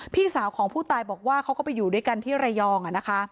พี่สาวของผู้ตายบอกว่าเขาก็ไปอยู่ด้วยกันที่ระยอง